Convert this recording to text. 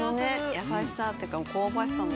優しさっていうか香ばしさもすごい。